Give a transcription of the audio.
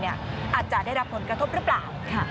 อาจจะได้รับผลกระทบหรือเปล่า